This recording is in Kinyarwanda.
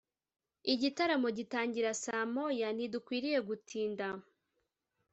igitaramo gitangira saa moya. ntidukwiye gutinda.